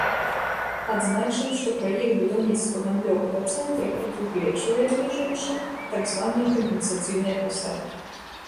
Адзначым, што праект будаўніцтва гандлёвага цэнтра прадугледжвае, між іншым, так званыя кампенсацыйныя пасадкі.